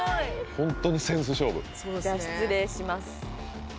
本当にセンス勝負じゃあ失礼します